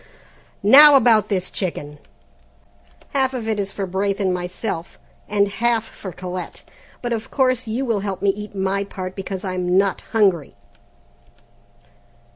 "Now about this chicken, half of it is for Braith and myself, and half for Colette, but of course you will help me eat my part because I'm not hungry."